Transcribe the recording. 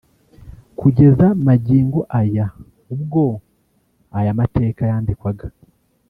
Kugeza magingo aya ubwo aya mateka yandikwaga